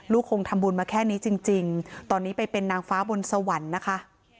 คงทำบุญมาแค่นี้จริงตอนนี้ไปเป็นนางฟ้าบนสวรรค์นะคะ